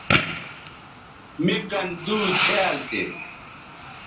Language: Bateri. مِ کن دُو څھیال تھے